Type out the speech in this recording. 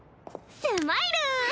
スマイル！